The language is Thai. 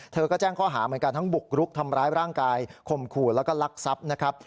เธอก็แจ้งข้อหาเหมือนกันทั้งบุกรุกทำร้ายร่างกายข่มขู่แล้วก็ลักทรัพย์นะครับ